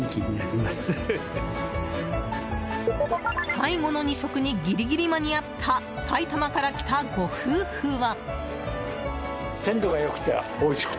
最後の２食にギリギリ間に合った埼玉から来たご夫婦は。